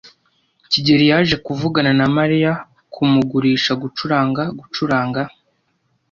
kigeli yaje kuvugana na Mariya kumugurisha gucuranga gucuranga.